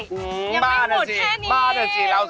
ยังไม่หมดแค่นี้บ้านะสิบ้านะสิ